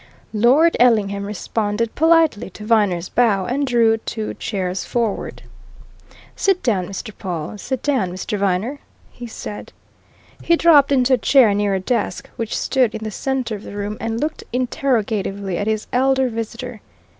Lord Ellingham responded politely to Viner's bow and drew two chairs forward. "Sit down, Mr. Pawle; sit down, Mr. Viner," he said. He dropped into a chair near a desk which stood in the centre of the room and looked interrogatively at his elder visitor.